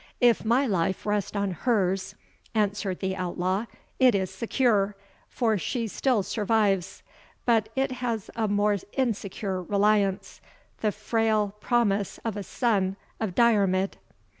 "If my life rest on hers," answered the outlaw, "it is secure, for she still survives; but it has a more insecure reliance the frail promise of a son of Diarmid."